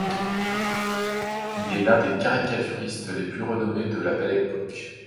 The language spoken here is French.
Il est l'un des caricaturistes des plus renommés de la Belle Époque.